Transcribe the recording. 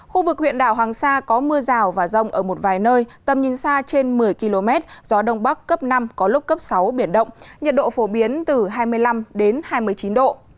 khu vực huyện đảo hoàng sa có mưa rào và rông ở một vài nơi tầm nhìn xa trên một mươi km gió đông bắc cấp năm có lúc cấp sáu biển động nhiệt độ phổ biến từ hai mươi năm đến hai mươi chín độ